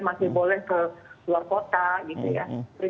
masih boleh ke luar kota gitu ya